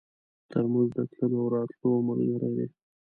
ترموز د تللو او راتلو ملګری دی.